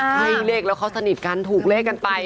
ให้เลขแล้วเขาสนิทกันถูกเลขกันไป